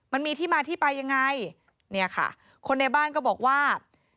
มันมีที่มาที่ไปยังไงเนี่ยค่ะคนในบ้านก็บอกว่า